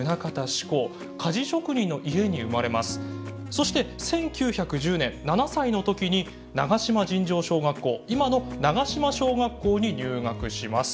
そして１９１０年７歳の時に長島尋常小学校今の長島小学校に入学します。